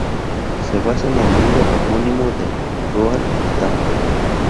Se basa en el libro homónimo de Roald Dahl.